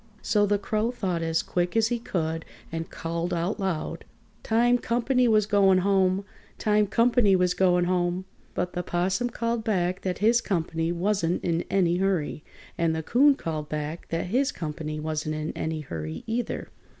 So the Crow thought as quick as he could and called out loud: "Time comp'ny was going home! Time comp'ny was going home!" But the 'Possum called back that his comp'ny wasn't in any hurry. And the Coon called back that his comp'ny wasn't in any hurry either.